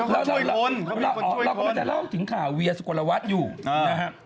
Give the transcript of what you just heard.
เราจะเล่าถึงข่าวเวียสู่กวลเราัดอยู่น่ะฮะ